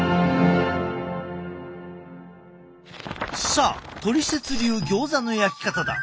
さあトリセツ流ギョーザの焼き方だ。